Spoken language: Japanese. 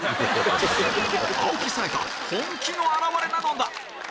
青木さやか本気の表れなのだ